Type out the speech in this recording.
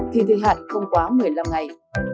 thì thời hạn không quá một mươi năm ngày